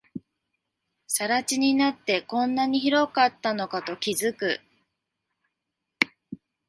更地になって、こんなに広かったのかと気づく